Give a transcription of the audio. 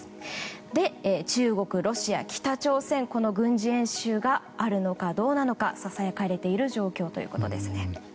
そこで中国ロシア北朝鮮の軍事演習があるのかどうかささやかれている状況ということです。